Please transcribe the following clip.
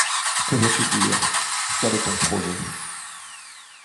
Que veux-tu dire? quel est ton projet ?